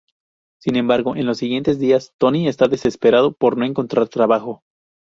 Sin embargo en los siguientes días Tony está desesperado por no encontrar trabajo.